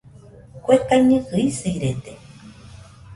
Kue kaiñɨkɨ isirede